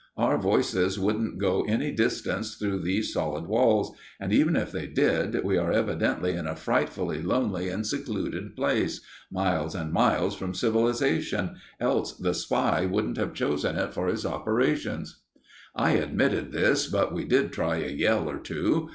Our voices wouldn't go any distance through these solid walls, and, even if they did, we are evidently in a frightfully lonely and secluded place, miles and miles from civilization, else the spy wouldn't have chosen it for his operations." I admitted this, but we did try a yell or two.